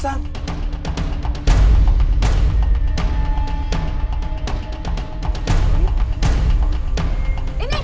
biar aku yang bayar ini mas